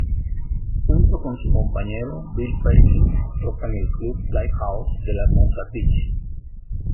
Junto con su compañero Bill Perkins, toca en el club "Lighthouse", de Hermosa Beach.